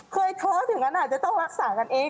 เกิดเคยทอถถึงงั้นอาจจะต้องรักษากันเอง